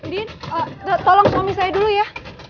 din tolong suami saya dulu ya